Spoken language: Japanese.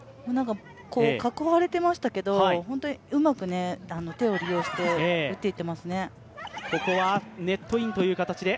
囲われていましたけど、うまく手を利用して打っていっていますね。